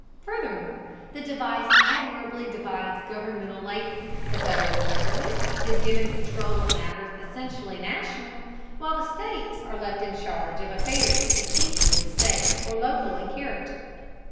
Furthermore, the device admirably divides governmental labor: the Federal government is given control of matters essentially national, while the states are left in charge of affairs distinctly state or local in character.